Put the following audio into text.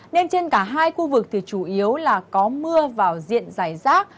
nên trên cả hai khu vực thì chủ yếu là có mưa vào diện dài rác